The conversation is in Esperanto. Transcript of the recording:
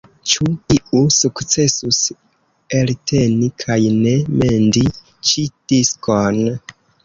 Ĉu iu sukcesus elteni kaj ne mendi ĉi diskon?